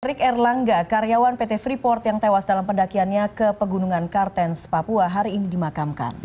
erick erlangga karyawan pt freeport yang tewas dalam pendakiannya ke pegunungan kartens papua hari ini dimakamkan